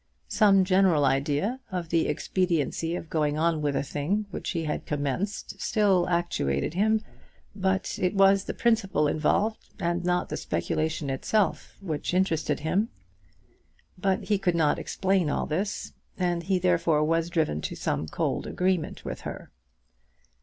Some general idea of the expediency of going on with a thing which he had commenced still actuated him; but it was the principle involved, and not the speculation itself, which interested him. But he could not explain all this, and he therefore was driven to some cold agreement with her.